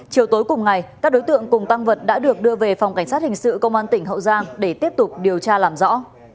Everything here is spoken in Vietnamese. chiều tối cùng ngày các đối tượng cùng tăng vật đã được đưa về phòng cảnh sát hình sự công an tỉnh hậu giang để tiếp tục điều tra làm rõ